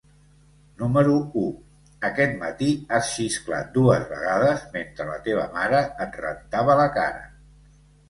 Número u: aquest matí has xisclat dues vegades mentre la teva mare et rentava la cara.